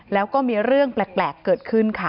แล้วก็มีเรื่องแปลกเกิดขึ้นค่ะ